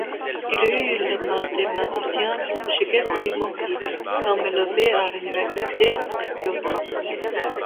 Il eut le mathématicien Shigefumi Mori comme élève à l'université de Kyoto.